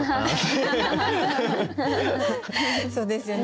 そうですよね。